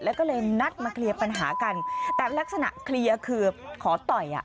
แล้วก็เลยนัดมาเคลียร์ปัญหากันแต่ลักษณะเคลียร์คือขอต่อยอ่ะ